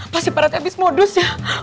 pasti pak rete habis modus ya